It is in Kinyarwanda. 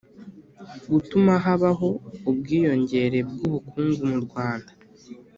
gutuma habaho ubwiyongere bw'ubukungu mu rwanda.